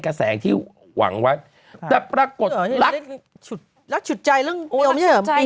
กระแสงที่หวังว่าจะปรากฏลักษณ์แล้วฉุดใจเรื่องเยอะเยอะปี